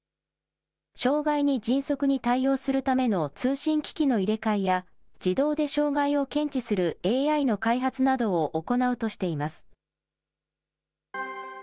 障害に迅速に対応するための通信機器の入れ替えや、自動で障害を検知するＡＩの開発などを行うとしています。